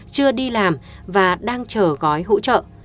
chưa đi làm và đang chờ gói hỗ trợ